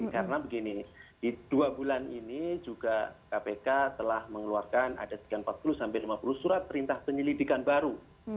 karena begini di dua bulan ini juga kpk telah mengeluarkan ada tiga ratus empat puluh sampai lima puluh surat perintah penyelidikan baru